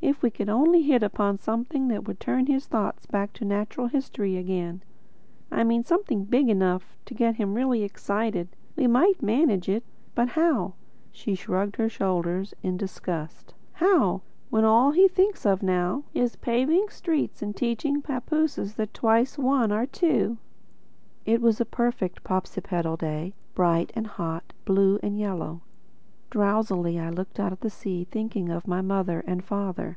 If we could only hit upon something that would turn his thoughts back to natural history again—I mean something big enough to get him really excited—we might manage it. But how?"—she shrugged her shoulders in disgust—"How?—when all he thinks of now is paving streets and teaching papooses that twice one are two!" It was a perfect Popsipetel day, bright and hot, blue and yellow. Drowsily I looked out to sea thinking of my mother and father.